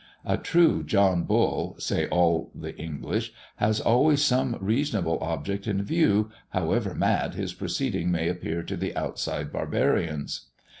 A true John Bull, say all the English, has always some reasonable object in view, however mad his proceedings may appear to the outside barbarians.